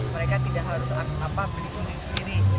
mereka tidak harus beli sendiri sendiri